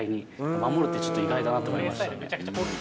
守るってちょっと意外だなと思いましたね。